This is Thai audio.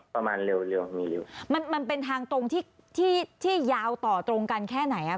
ประมาณเร็วเร็วมีเร็วมันมันเป็นทางตรงที่ที่ยาวต่อตรงกันแค่ไหนอ่ะ